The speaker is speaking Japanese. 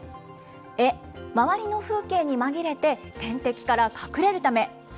エ、周りの風景にまぎれて、天敵から隠れるため。